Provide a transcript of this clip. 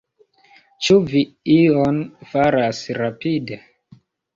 Ĉu vi ion faras rapide?